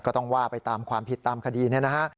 ก็ต้องว่าไปตามความผิดตามคดีนี้นะฮะ